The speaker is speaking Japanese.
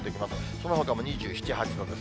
そのほかも２７、８度です。